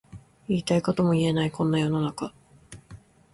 言いたいことも言えないこんな世の中